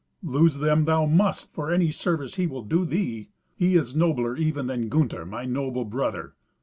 "Lose them thou must, for any service he will do thee. He is nobler even than Gunther, my noble brother.